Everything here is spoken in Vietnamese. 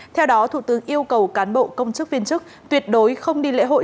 theo đó thủ tướng yêu cầu cán bộ công chức viên chức tuyệt đối không đi lễ hội